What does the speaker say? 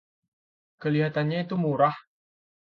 Kelihatannya itu murah.